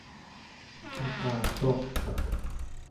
iqalluarpak